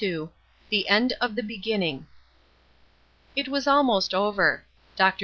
THE END OF THE BEGINNING. It was almost over. Dr.